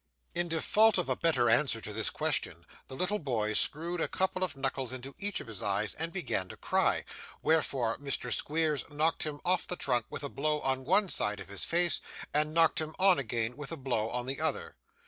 In default of a better answer to this question, the little boy screwed a couple of knuckles into each of his eyes and began to cry, wherefore Mr Squeers knocked him off the trunk with a blow on one side of the face, and knocked him on again with a blow on the other.